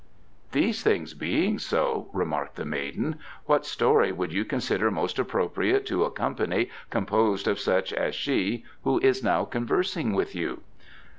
"These things being so," remarked the maiden, "what story would you consider most appropriate to a company composed of such as she who is now conversing with you?"